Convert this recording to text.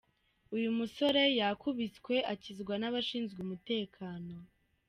Uyu musore yakubiswe akizwa n'abashinzwe umutekano.